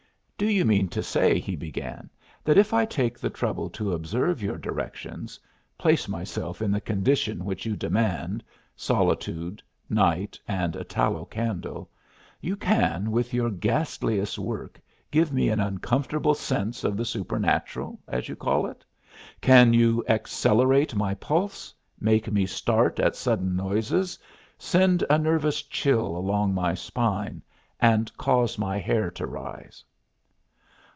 "Do you mean to say," he began, "that if I take the trouble to observe your directions place myself in the conditions that you demand: solitude, night and a tallow candle you can with your ghostly work give me an uncomfortable sense of the supernatural, as you call it? Can you accelerate my pulse, make me start at sudden noises, send a nervous chill along my spine and cause my hair to rise?"